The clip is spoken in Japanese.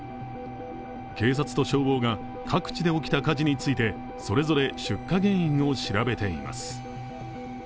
警察と消防が各地で起きた火事についてそれぞれ出火原因を調べています。